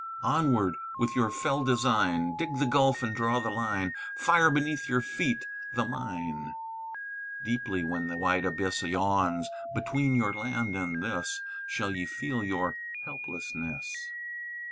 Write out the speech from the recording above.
"Onward with your fell design; Dig the gulf and draw the line: Fire beneath your feet the mine: "Deeply, when the wide abyss Yawns between your land and this, Shall ye feel your helplessness.